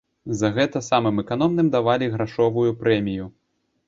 За гэта самым эканомным давалі грашовую прэмію.